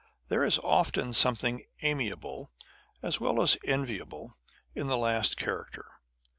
There is often something amiable as well as enviable in this last character.